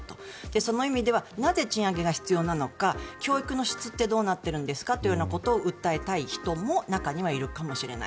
その意味ではなぜ賃上げが必要なのか教育の質ってどうなってるんですかって訴えたい人も中にはいるかもしれない。